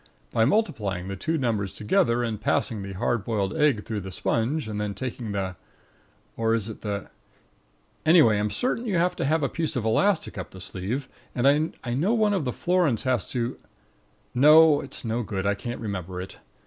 By multiplying the two numbers together and passing the hard boiled egg through the sponge and then taking the ... or is it the Anyway, I'm certain you have to have a piece of elastic up the sleeve ... and I know one of the florins has to No, it's no good, I can't remember it.